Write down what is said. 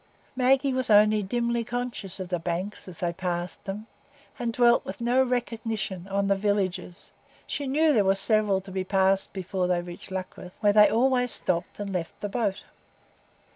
Maggie was only dimly conscious of the banks, as they passed them, and dwelt with no recognition on the villages; she knew there were several to be passed before they reached Luckreth, where they always stopped and left the boat.